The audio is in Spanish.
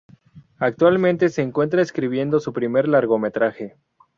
Actualmente se encuentra escribiendo su primer largometraje.